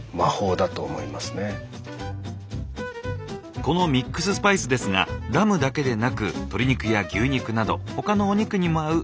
このミックススパイスですがラムだけでなく鶏肉や牛肉など他のお肉にも合う優れものなんです。